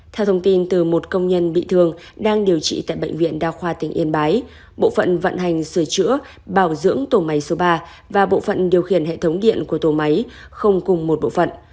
theo thông tin từ một công nhân bị thương đang điều trị tại bệnh viện đa khoa tỉnh yên bái bộ phận vận hành sửa chữa bảo dưỡng tổ máy số ba và bộ phận điều khiển hệ thống điện của tổ máy không cùng một bộ phận